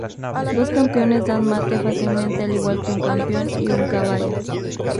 Dos campeones dan mate fácilmente al igual que un campeón y un caballo.